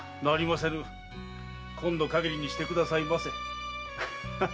“今度限りにしてくださいませ”